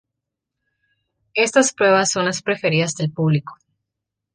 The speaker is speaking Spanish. Estas pruebas son las preferidas del público.